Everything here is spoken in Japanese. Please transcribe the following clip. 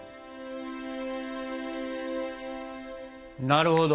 なるほど。